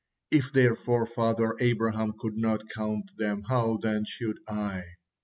If their forefather Abraham could not count them, how, then, should I?"